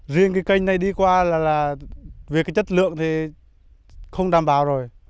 riêng cái canh này đi qua là vì cái chất lượng thì không đảm bảo rồi